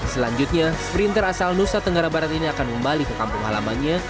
selanjutnya sprinter asal nusa tenggara barat ini akan kembali ke kampung halamannya